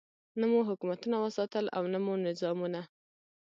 نه مو حکومتونه وساتل او نه مو نظامونه.